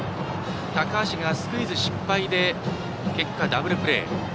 高橋がスクイズ失敗で結果、ダブルプレー。